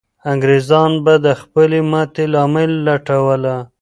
انګریزان به د خپلې ماتې لامل لټوله.